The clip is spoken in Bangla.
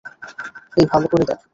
এই, ভালো করে দেখ।